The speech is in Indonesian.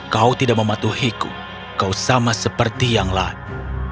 kau tidak mematuhiku kau sama seperti yang lain